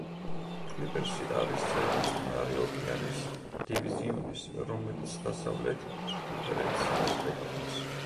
კლიპერსი არის წევრი წყნარი ოკეანის დივიზიონის, რომელიც დასავლეთ კონფერენციას ეკუთვნის.